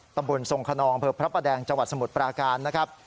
ตำบลทรงขนองเผลอพระประแดงจังหวัดสมุทรปราการนะครับ